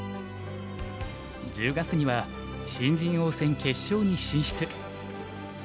１０月には新人王戦決勝に進出。